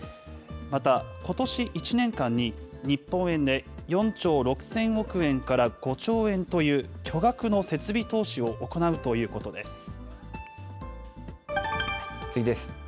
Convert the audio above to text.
また、ことし１年間に、日本円で４兆６０００億円から５兆円という巨額の設備投資を行う次です。